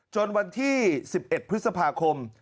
วันที่๑๑พฤษภาคม